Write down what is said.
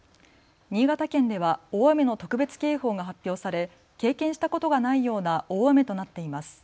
新潟県では大雨の特別警報が発表され経験したことがないような大雨となっています。